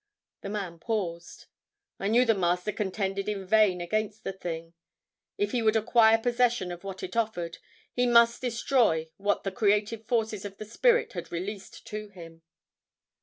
The man paused. "I knew the Master contended in vain against the thing; if he would acquire possession of what it offered, he must destroy what the creative forces of the spirit had released to him."